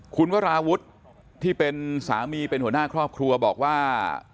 คุณวราวุฒิที่เป็นสามีเป็นหัวหน้าครอบครัวบอกว่า